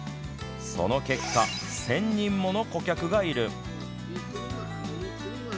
その結果１０００人もの顧客がいる。